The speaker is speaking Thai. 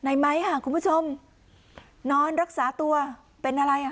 ไมค์ค่ะคุณผู้ชมนอนรักษาตัวเป็นอะไรอ่ะ